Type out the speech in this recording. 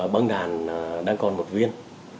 băng đàn đang còn một viên